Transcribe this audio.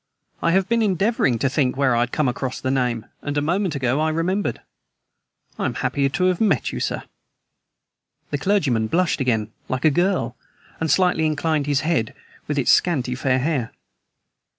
"I have been endeavoring to think where I had come across the name, and a moment ago I remembered. I am happy to have met you, sir." The clergyman blushed again like a girl, and slightly inclined his head, with its scanty fair hair.